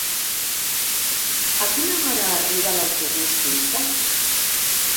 A quina hora arriba l'autobús d'Inca?